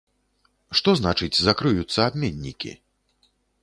Што значыць закрыюцца абменнікі?